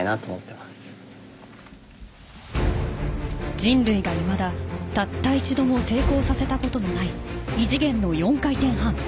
人類がいまだ、たった一度も成功させたことがない異次元の４回転半。